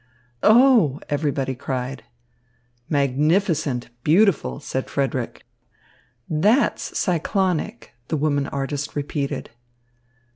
"Oh!" everybody cried. "Magnificent, beautiful," said Frederick. "That's cyclonic," the woman artist repeated.